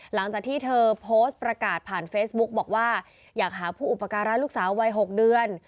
หลังจากที่เธอโพสต์ประกาศผ่านเฟซบุ๊กบอกว่าอยากหาผู้อุปการะลูกสาววัย๖เดือน